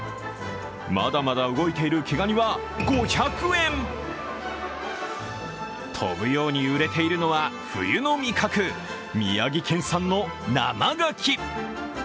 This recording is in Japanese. まだまだ動いている毛ガニは５００円飛ぶように売れているのは冬の味覚、宮城県産の生がき。